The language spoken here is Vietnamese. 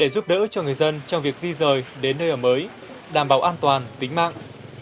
giúp đỡ cho người dân trong việc di rời đến nơi ở mới đảm bảo an toàn tính mạng